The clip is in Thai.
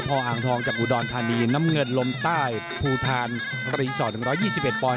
พออ่างทองจากอุดรธานีน้ำเงินลมใต้ภูทานรีสอร์ท๑๒๑ปอนด